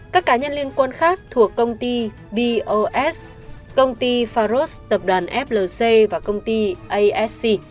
các cá nhân liên quan khác thuộc công ty bos công ty faros tập đoàn flc và công ty asc